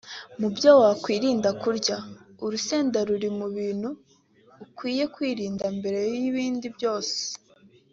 Mu byo wakwirinda kurya; Urusenda ruri mu bintu ukwiye kwirinda mbere y’ibindi byose